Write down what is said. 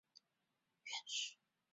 李世鹤多次被提名为工程院院士。